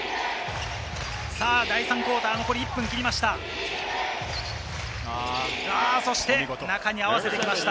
第３クオーターは残り１分を切りました。